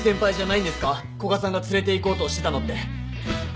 古賀さんが連れていこうとしてたのって。